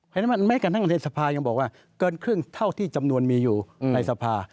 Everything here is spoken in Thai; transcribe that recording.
เพราะฉะนั้นแม้กระทั่งในสภายังบอกว่าเกินครึ่งเท่าที่จำนวนมีอยู่ในสภา